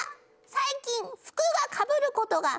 最近服がかぶることが増えて」